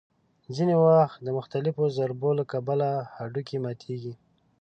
ځینې وخت د مختلفو ضربو له کبله هډوکي ماتېږي.